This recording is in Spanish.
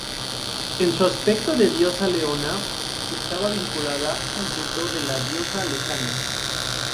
En su aspecto de diosa leona, estaba vinculada al mito de la diosa lejana.